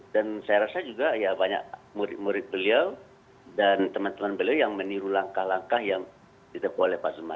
saya rasa juga ya banyak murid murid beliau dan teman teman beliau yang meniru langkah langkah yang dilakukan oleh pak zumar